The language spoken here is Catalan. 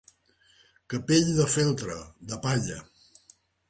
Capell de feltre, de palla.